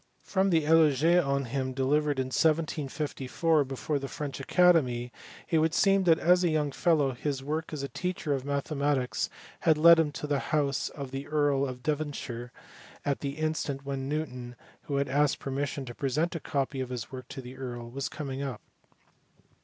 From the eloye on him de livered in 1754 before the French Academy it would seem that as a young fellow his work as a teacher of mathe matics had led him to the house of the Earl of Devonshire at the instant when Newton, who had asked permission to present a copy of his work to the earl, was coming out.